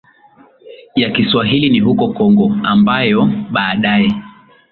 ya Kiswahili ni huko Kongo ambayo baadaye